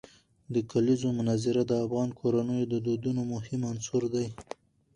د کلیزو منظره د افغان کورنیو د دودونو مهم عنصر دی.